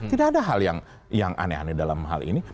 tidak ada hal yang aneh aneh dalam hal ini